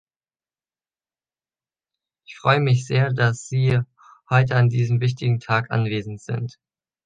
Ich freue mich sehr, dass Sie heute an diesem wichtigen Tag anwesend sind.